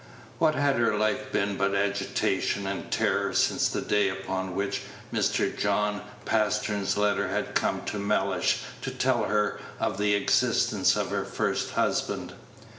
What had her life been but agitation and terror since the day upon which Mr. John Page 158 Pastern's letter had come to Mellish to tell her of the existence of her first husband?